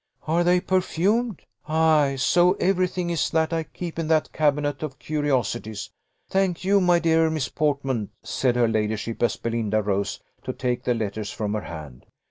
"Are they perfumed? Ay; so every thing is that I keep in that cabinet of curiosities. Thank you, my dear Miss Portman," said her ladyship, as Belinda rose to take the letters from her hand.